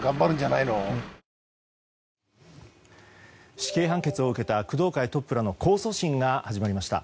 死刑判決を受けた工藤会トップらの控訴審が始まりました。